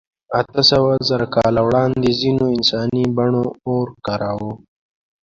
اتهسوهزره کاله وړاندې ځینو انساني بڼو اور کاراوه.